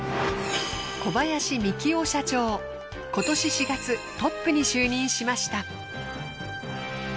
今年４月トップに就任しました。